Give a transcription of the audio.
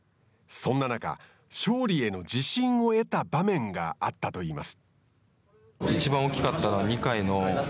そんな中勝利への自信を得た場面があったといいます。